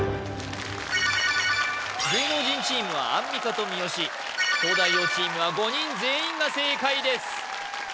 芸能人チームはアンミカと三好東大王チームは５人全員が正解です